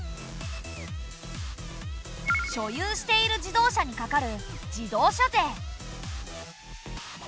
所有している自動車にかかる自動車税。